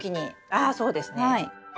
ああそうですね。